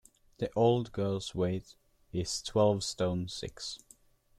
The old girl's weight — is twelve stone six.